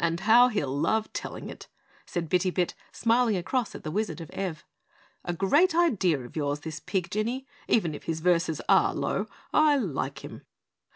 "And how he'll love telling it," said Bitty Bit, smiling across at the Wizard of Ev. "A great idea of yours, this pig, Jinny. Even if his verses are low, I like him."